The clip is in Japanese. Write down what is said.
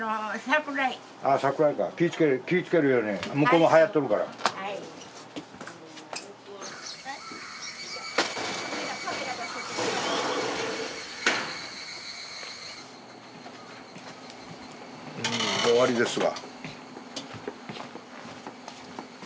もう終わりですわ。